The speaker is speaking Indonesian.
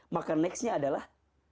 maka selanjutnya adalah